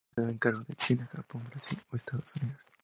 Ha tenido encargos de China, Japón, Brasil o Estados Unidos.